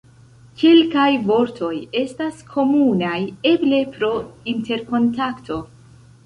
Kelkaj vortoj estas komunaj, eble pro interkontakto.